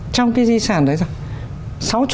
trong cái di sản đấy sao